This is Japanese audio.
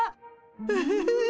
ウフフフフ。